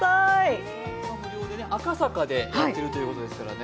赤坂でやってるということですからね。